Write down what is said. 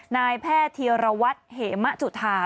นายแพทย์เทียระวัตเฮมะจุธา